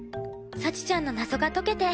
幸ちゃんの謎が解けて。